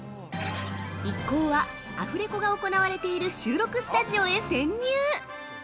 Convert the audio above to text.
◆一行はアフレコが行われている収録スタジオへ潜入。